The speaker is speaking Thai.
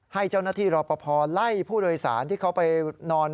ให้เจ้าหน้าที่รอปภไล่ผู้โดยสารที่เขาไปนอน